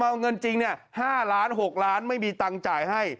เอาเงินจริง๕ล้าน๖ล้านไม่มีตังค์จ่ายให้